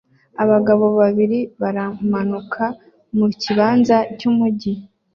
Abagabo babiri baramanuka mu kibanza cy'umujyi